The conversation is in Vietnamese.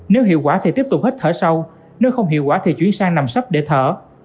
nếu hiệu quả thì tiếp tục hít thở sau nếu không hiệu quả thì chuyển sang nằm sắp để thở